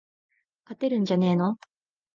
勝てるんじゃねーの